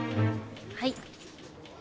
はい。